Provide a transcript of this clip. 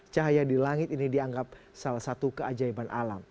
cahaya di langit ini dianggap salah satu keajaiban alam